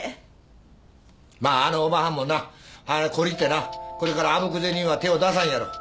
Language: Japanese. まああのおばはんもな懲りてなこれからあぶく銭には手を出さんやろ。